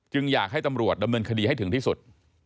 อยากให้ตำรวจดำเนินคดีให้ถึงที่สุด